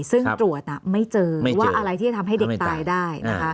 ซึ่งตรวจไม่เจอว่าอะไรที่จะทำให้เด็กตายได้นะคะ